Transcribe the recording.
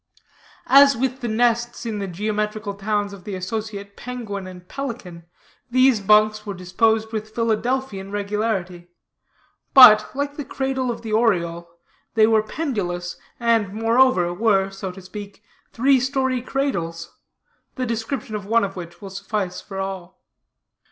As with the nests in the geometrical towns of the associate penguin and pelican, these bunks were disposed with Philadelphian regularity, but, like the cradle of the oriole, they were pendulous, and, moreover, were, so to speak, three story cradles; the description of one of which will suffice for all.